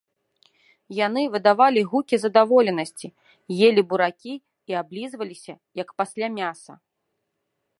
Яны выдавалі гукі задаволенасці, елі буракі і аблізваліся, як пасля мяса.